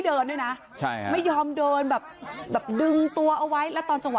คุณผู้ชมรักกรมโมอายุห้าสิบเก้าปี